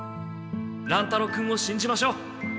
乱太郎君をしんじましょう！